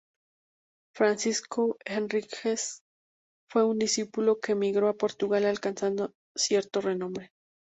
Francisco Henriques fue un discípulo que emigró a Portugal alcanzando cierto renombre.